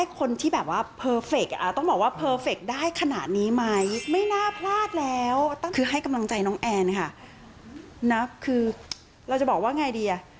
คือเราจะบอกว่าอย่างไรดี